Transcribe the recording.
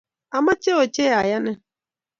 amoche ochei ayanin.